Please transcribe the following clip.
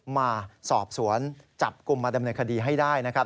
มาสอบสวนจับกลุ่มมาดำเนินคดีให้ได้นะครับ